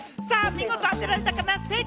見事当てられたかな？